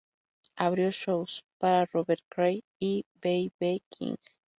Abrió shows para Robert Cray y B. B. King.